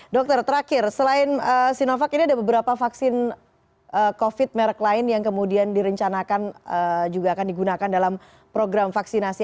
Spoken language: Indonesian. dokter terakhir selain sinovac ini ada beberapa vaksin covid merek lain yang kemudian direncanakan juga akan digunakan dalam program vaksinasi